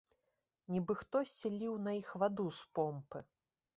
Нібы хтосьці ліў на іх ваду з помпы.